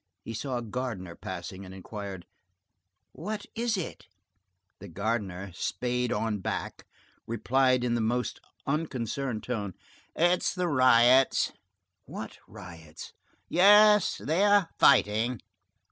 He saw a gardener passing, and inquired:— "What is it?" The gardener, spade on back, replied in the most unconcerned tone:— "It is the riots." "What riots?" "Yes, they are fighting."